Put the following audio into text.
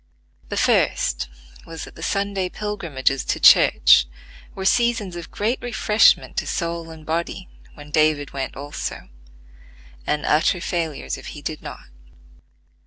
The first was that the Sunday pilgrimages to church were seasons of great refreshment to soul and body when David went also, and utter failures if he did not.